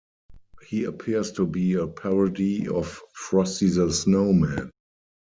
He appears to be a parody of Frosty the Snowman.